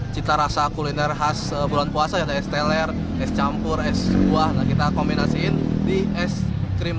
cita rasa kuliner khas bulan puasa ya steler es campur es buah kita kombinasiin di es krim